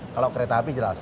kalau kereta api jelas